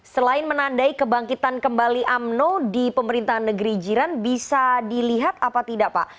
selain menandai kebangkitan kembali umno di pemerintahan negeri jiran bisa dilihat apa tidak pak